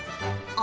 あ！